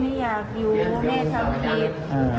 ไม่อยากอยู่แม่ทำผิด